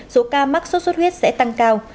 số ca mắc xuất xuất huyết sẽ tăng cao